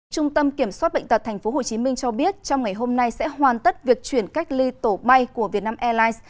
trung tâm kiểm soát bệnh tật tp hcm cho biết trong ngày hôm nay sẽ hoàn tất việc chuyển cách ly tổ bay của vietnam airlines